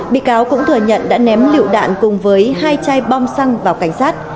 bị cáo cũng thừa nhận đã ném lựu đạn cùng với hai chai bom xăng vào cảnh sát